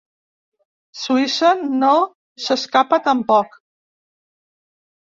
Suïssa no se n’escapa tampoc.